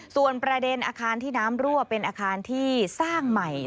ส่วนประเด็นอาคารที่น้ำรั่วเป็นอาคารที่สร้างใหม่